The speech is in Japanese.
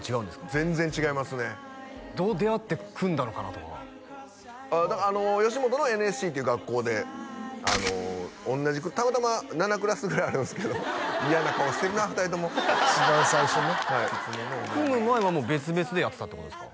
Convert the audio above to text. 全然違いますねどう出会って組んだのかなとか吉本のＮＳＣっていう学校で同じたまたま７クラスぐらいあるんすけど嫌な顔してるな２人とも一番最初ね組む前は別々でやってたってことですか？